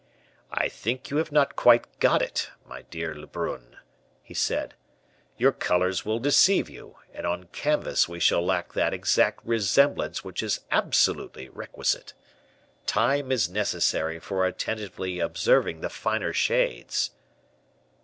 "I think you have not quite got it, my dear Lebrun," he said; "your colors will deceive you, and on canvas we shall lack that exact resemblance which is absolutely requisite. Time is necessary for attentively observing the finer shades."